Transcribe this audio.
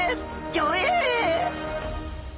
ギョエ！